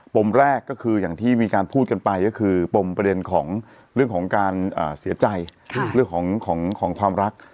มแรกก็คืออย่างที่มีการพูดกันไปก็คือปมประเด็นของเรื่องของการเสียใจเรื่องของความรัก